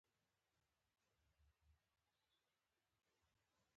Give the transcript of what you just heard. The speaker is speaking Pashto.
هر د زخمتونو پیل؛ زرین پای لري.